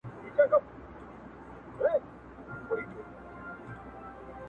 دا لالونه، غرونه، غرونه دمن زما دی٫